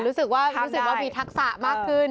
เออรู้สึกว่ามีทักษะมากขึ้น